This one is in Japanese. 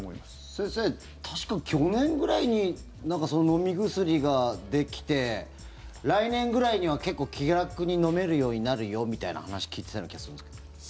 先生、確か去年ぐらいに飲み薬ができて来年ぐらいには結構気楽に飲めるようになるよみたいな話聞いてたような気がするんですけど。